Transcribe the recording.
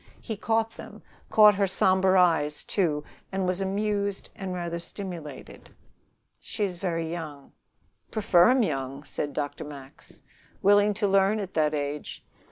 He caught them, caught her somber eyes too, and was amused and rather stimulated. "She is very young." "Prefer 'em young," said Dr. Max. "Willing to learn at that age.